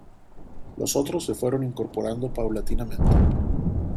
Los otros se fueron incorporando paulatinamente.